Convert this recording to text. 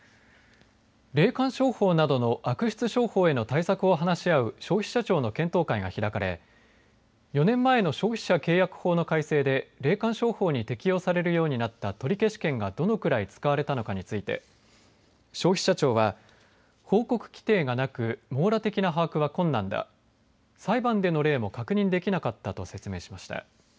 霊感商法などの悪質商法への対策を話し合う消費者庁の検討会が開かれ４年前の消費者契約法の改正で霊感商法に適用されるようになった取消権がどのくらい使われたのかについて消費者庁は報告規定がなく網羅的な把握は困難だ裁判での例も確認できなかったと説明しました。